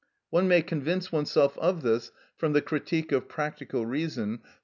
One may convince oneself of this from the "Critique of Practical Reason" (p.